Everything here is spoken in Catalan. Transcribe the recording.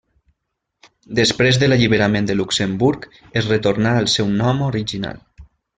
Després de l'alliberament de Luxemburg es retornà al seu nom original.